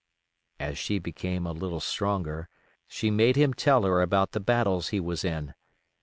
As she became a little stronger she made him tell her about the battles he was in.